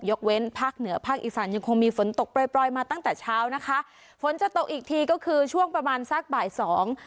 ยกเว้นภาคเหนือภาคอีสานยังคงมีฝนตกปล่อยปล่อยมาตั้งแต่เช้านะคะฝนจะตกอีกทีก็คือช่วงประมาณสักบ่ายสอง